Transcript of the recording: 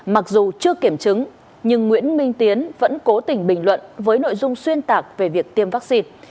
mặc dù chưa kiểm chứng nhưng nguyễn minh tiến vẫn cố tình bình luận với nội dung xuyên tạc về việc tiêm vaccine